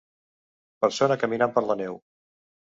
Persona caminant per la neu.